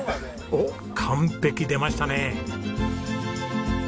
おっ「完璧」出ましたね。